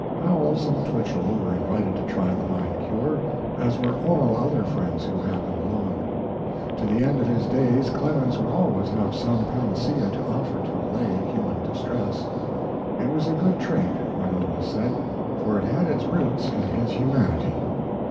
Howells and Twichell were invited to try the "mind cure," as were all other friends who happened along. To the end of his days Clemens would always have some panacea to offer to allay human distress. It was a good trait, when all is said, for it had its root in his humanity.